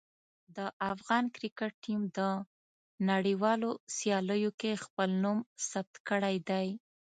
د افغان کرکټ ټیم د نړیوالو سیالیو کې خپل نوم ثبت کړی دی.